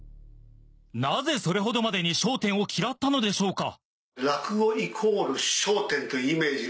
なぜそれほどまでに『笑点』を嫌ったのでしょうか？